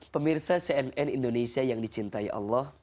pemirsa cnn indonesia yang dicintai allah